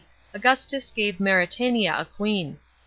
Augustus gave Mauretania a queen.